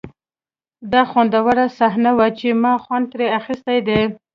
دا خوندوره صحنه وه چې ما خوند ترې اخیستی دی